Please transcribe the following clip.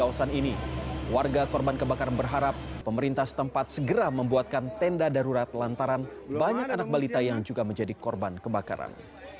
warga korban kebakaran berharap pemerintah setempat segera membuatkan tenda darurat lantaran banyak anak balita yang juga menjadi korban kebakaran